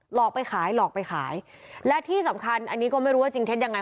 อกไปขายหลอกไปขายและที่สำคัญอันนี้ก็ไม่รู้ว่าจริงเท็จยังไง